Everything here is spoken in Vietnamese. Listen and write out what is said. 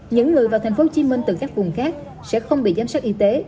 những người vào thành phố hồ chí minh từ các vùng khác sẽ không bị giám sát y tế